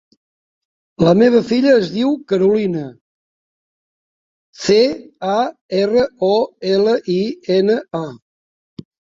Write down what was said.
La meva filla es diu Carolina: ce, a, erra, o, ela, i, ena, a.